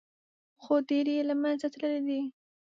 خو ډېر یې له منځه تللي دي.